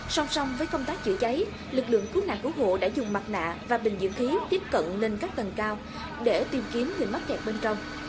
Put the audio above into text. song song với công tác chữa cháy lực lượng cứu nạn cứu hộ đã dùng mặt nạ và bình dưỡng khí tiếp cận lên các tầng cao để tìm kiếm người mắc kẹt bên trong